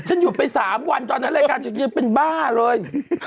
หยุดไป๓วันตอนนั้นรายการฉันยังเป็นบ้าเลย